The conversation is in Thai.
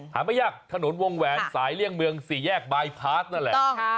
ไม่ยากถนนวงแหวนสายเลี่ยงเมือง๔แยกบายพาสนั่นแหละ